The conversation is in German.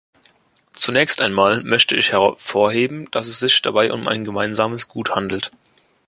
Zunächst einmal möchte ich hervorheben, dass es sich dabei um ein gemeinsames Gut handelt.